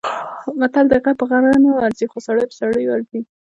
متل دی: غر په غره نه ورځي، خو سړی په سړي ورځي.